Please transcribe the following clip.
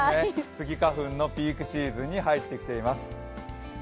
スギ花粉のピークシーズンに入ってきています。